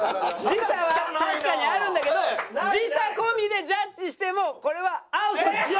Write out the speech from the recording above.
時差は確かにあるんだけど時差込みでジャッジしてもこれはアウトです。